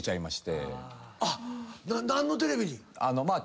あっ何のテレビに？